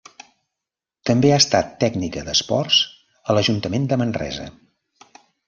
També ha estat tècnica d'esports a l'Ajuntament de Manresa.